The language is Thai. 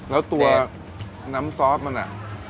แล้วตัวน้ำซุปมันเนี่ย